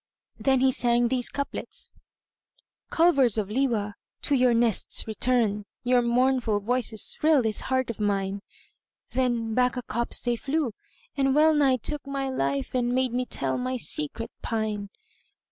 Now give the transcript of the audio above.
Then he sang these couplets:— Culvers of Liwa![FN#121] to your nests return; * Your mournful voices thrill this heart of mine. Then back a copse they flew, and well nigh took * My life and made me tell my secret pine.